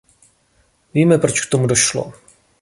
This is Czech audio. Víme, proč k tomu došlo.